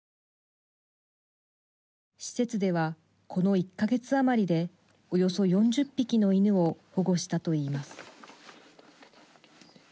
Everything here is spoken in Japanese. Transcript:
施設ではこの１か月あまりでおよそ４０匹の犬を保護したといいます。